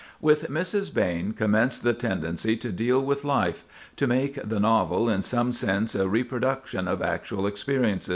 With Mrs. Behn commenced the tendency to deal with life—to make the novel in some sense a reproduction of actual experience.